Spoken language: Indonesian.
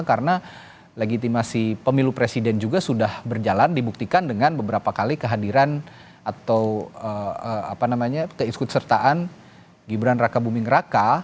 karena legitimasi pemilu presiden juga sudah berjalan dibuktikan dengan beberapa kali kehadiran atau apa namanya keikutsertaan gibran raka buming raka